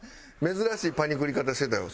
珍しいパニクり方してたよ。